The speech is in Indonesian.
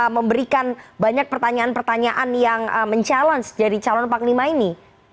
memberikan banyak pertanyaan pertanyaan yang mencabar jadi calon panglima ini